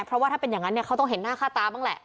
เพราะว่าถ้าเป็นอย่างนั้นเนี่ยเขาต้องเห็นหน้าค่าตาบ้างแหละ